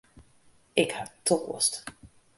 Ik ha toarst.